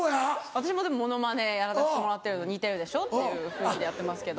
私もモノマネやらさせてもらってるの似てるでしょっていう雰囲気でやってますけど。